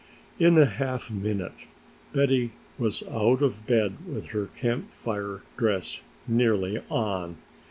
In a half minute Betty was out of bed with her Camp Fire dress nearly on.